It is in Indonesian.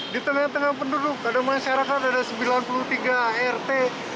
di tengah tengah penduduk ada masyarakat ada sembilan puluh tiga rt